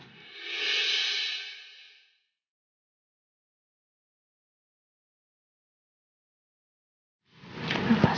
soalnya aku mau ke dennis